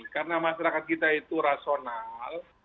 karena masyarakat kita itu rasional